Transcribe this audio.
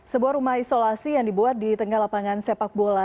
sebuah rumah isolasi yang dibuat di tengah lapangan sepak bola